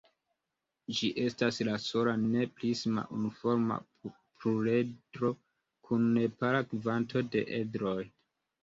Ĝi estas la sola ne-prisma unuforma pluredro kun nepara kvanto de edroj.